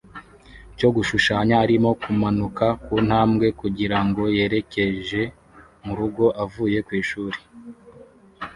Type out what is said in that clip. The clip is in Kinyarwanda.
cyo gushushanya arimo kumanuka kuntambwe kugirango yerekeje murugo avuye kwishuri